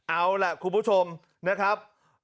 เอาล่ะคุณผู้ชมนะครับ